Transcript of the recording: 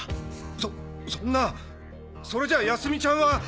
そそんなそれじゃ泰美ちゃんは！？